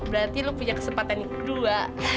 berarti lu punya kesempatan yang kedua